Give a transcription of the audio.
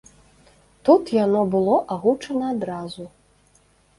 Тут яно было агучана адразу.